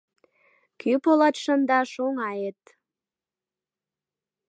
Кӱ полат шындаш оҥает.